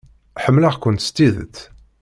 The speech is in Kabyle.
Ḥemmleɣ-kent s tidet.